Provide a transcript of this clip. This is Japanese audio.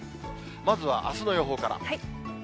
まずはあすの予報から。